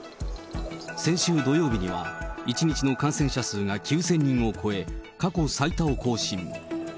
先週土曜日には、１日の感染者数が９０００人を超え、過去最多を更新。